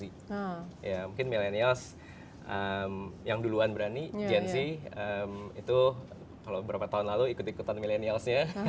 ya mungkin milenials yang duluan berani gen z itu kalau beberapa tahun lalu ikut ikutan milenialsnya